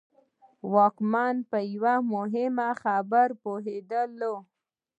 واکمن په یوه مهمه خبره پوهېدل.